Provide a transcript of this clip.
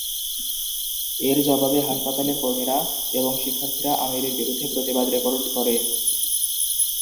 এর জবাবে হাসপাতালের কর্মীরা এবং শিক্ষার্থীরা আমিরের বিরুদ্ধে প্রতিবাদ রেকর্ড করে।